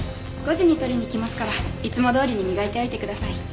５時に取りに来ますからいつもどおりに磨いておいてください。